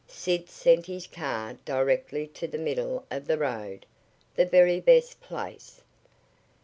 Sid sent his car directly to the middle of the road, the very best place.